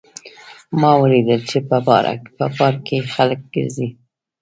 ما ولیدل چې په پارک کې خلک ګرځي